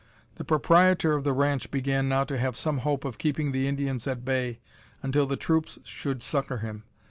The proprietor of the ranch began now to have some hope of keeping the Indians at bay until the troops should succour him.